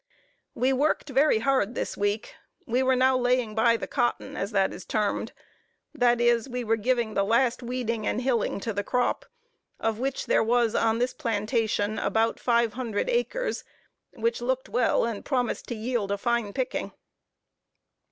We worked very hard this week. We were now laying by the cotton, as it is termed; that is, we were giving the last weeding and hilling to the crop, of which there was, on this plantation, about five hundred acres, which looked well, and promised to yield a fine picking.